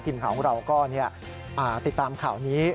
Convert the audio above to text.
ทีมข่าวของเราก็ติดตามข่าวนี้